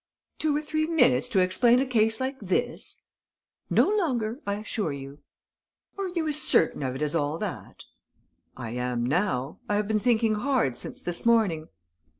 "Two or three minutes to explain a case like this!" "No longer, I assure you." "Are you as certain of it as all that?" "I am now. I have been thinking hard since this morning."